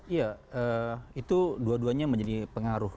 iya itu dua duanya menjadi pengaruh